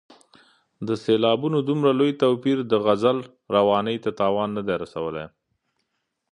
د سېلابونو دومره لوی توپیر د غزل روانۍ ته تاوان نه دی رسولی.